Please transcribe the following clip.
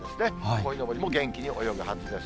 こいのぼりも元気に泳ぐはずです。